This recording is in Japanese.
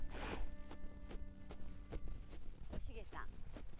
おしげさん